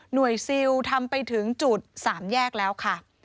ซิลทำไปถึงจุด๓แยกแล้วค่ะ